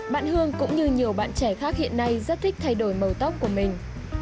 bạn hương cũng như nhiều bạn trẻ khác hiện nay rất thích thay đổi màu tóc của mình